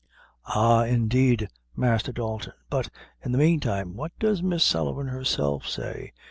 "Ah! indeed, Master Dalton! but in the mean time, what does Miss Sullivan herself say?